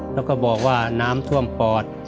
แล้วก็บอกว่าน้ำท่วมปอด